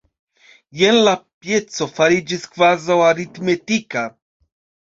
Jen la pieco fariĝis kvazaŭ 'aritmetika'.